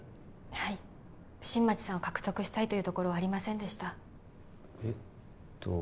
はい新町さんを獲得したいというところはありませんでしたえっと